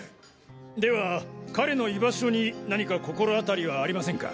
では彼の居場所に何か心当たりはありませんか？